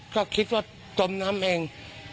ก็คิดว่าจมน้ำเอง